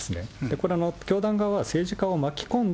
これ、教団側は政治家を巻き込んで、